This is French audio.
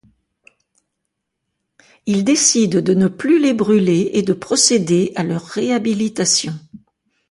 Il décide de ne plus les brûler et de procéder à leur réhabilitation.